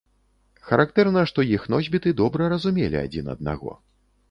Характэрна, што іх носьбіты добра разумелі адзін аднаго.